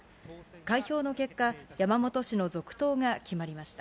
開票の結果、山本氏の続投が決まりました。